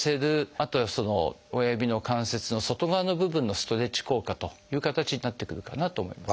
あとは親指の関節の外側の部分のストレッチ効果という形になってくるかなと思います。